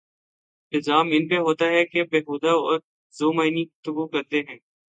الزام ان پہ ہوتاہے کہ بیہودہ اورذومعنی گفتگو کرتے ہیں۔